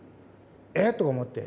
えっ⁉とか思って。